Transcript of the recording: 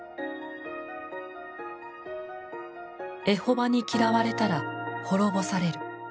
「エホバに嫌われたら滅ぼされる」。